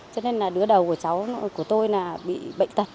cho nên là đứa đầu của cháu của tôi là bị bệnh tật